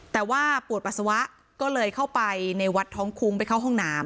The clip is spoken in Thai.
แต่ว่าปวดปัสสาวะก็เลยเข้าไปในวัดท้องคุ้งไปเข้าห้องน้ำ